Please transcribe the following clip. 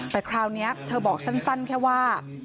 แต่คราวนี้เธอบอกสั้นแค่ว่า